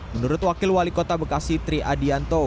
menurut wakil wali kota bekasi tri adianto